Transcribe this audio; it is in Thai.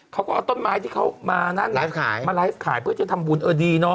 เขาก็เอาต้นไม้ที่เขามานั้นมาไลฟ์ขายเพื่อจะทำบุญเออดีเนาะ